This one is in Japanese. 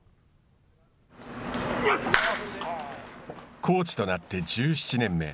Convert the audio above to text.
コーチとなって１７年目。